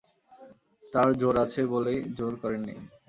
তাঁর জোর আছে বলেই জোর করেন নি।